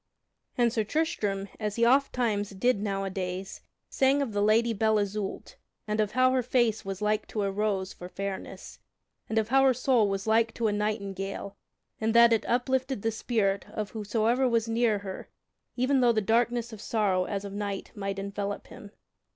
And Sir Tristram, as he ofttimes did nowadays, sang of the Lady Belle Isoult, and of how her face was like to a rose for fairness, and of how her soul was like to a nightingale in that it uplifted the spirit of whosoever was near her even though the darkness of sorrow as of night might envelop him.